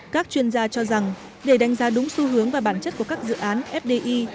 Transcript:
các chuyên gia cho rằng để đánh giá đúng xu hướng và bản chất của các dự án fdi